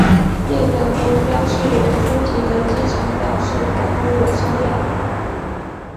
列表中标示为粗体的机场表示开通有商业航班。